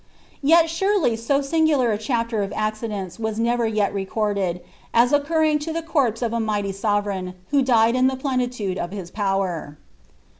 Tet anrely so singular a chaprer of accidents was ne»er yet recorded, as occurring to the corpse of a mighty ■orerdgn, who died in the plenitude of his power.